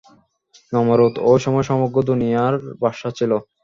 নমরূদ ঐ সময় সমগ্র দুনিয়ার বাদশাহ ছিল।